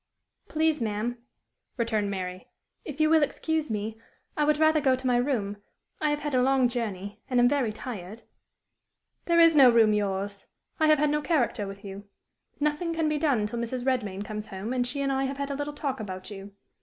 "Please, ma'am," returned Mary, "if you will excuse me, I would rather go to my room. I have had a long journey, and am very tired." "There is no room yours. I have had no character with you. Nothing can be done til Mrs. Redman comes home, and she and I have had a little talk about you.